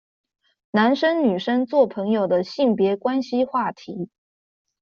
男生女生做朋友的性別關係話題